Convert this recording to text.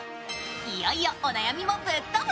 いよいよお悩みもぶっとぶ